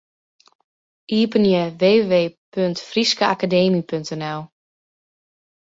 Iepenje www.fryskeakademy.nl.